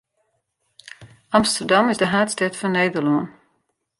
Amsterdam is de haadstêd fan Nederlân.